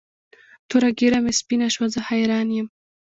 توره ږیره مې سپینه شوه زه حیران یم.